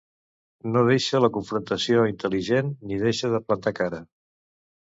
No deixa la confrontació intel·ligent ni deixa de plantar cara.